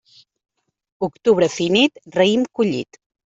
Octubre finit, raïm collit.